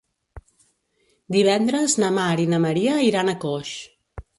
Divendres na Mar i na Maria iran a Coix.